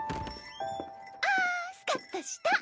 あスカッとした。